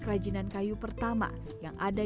kerajinan kayu pertama yang ada